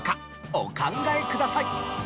お考えください。